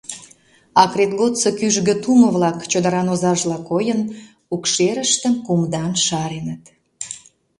Акрет годсо кӱжгӧ тумо-влак, чодыран озажла койын, укшерыштым кумдан шареныт.